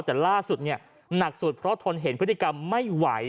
แต่ล่าสุดเนี่ยหนักสุดเพราะทนเห็นพฤติกรรมไม่ไหว